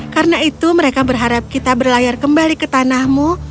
karena itu mereka berharap kita berlayar kembali ke tanahmu